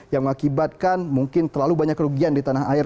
yang mengakibatkan mungkin terlalu banyak kerugian di tanah air